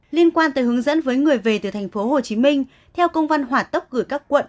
liên quan tới hướng dẫn với người về từ thành phố hồ chí minh theo công văn hỏa tốc gửi các quận